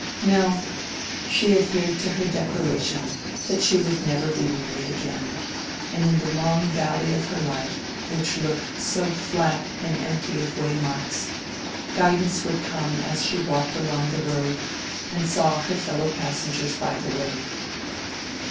No—she adhered to her declaration that she would never be married again, and in the long valley of her life which looked so flat and empty of waymarks, guidance would come as she walked along the road, and saw her fellow passengers by the way.